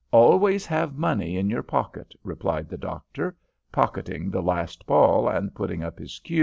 "Always have money in your pocket," replied the doctor, pocketing the last ball, and putting up his cue.